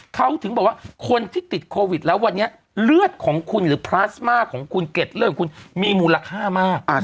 เขาถึงบอกว่าคนที่ติดโควิดแล้ววันนี้เลือดของคุณหรือพลาสมาของคุณเก็ดเลือดของคุณมีมูลค่ามาก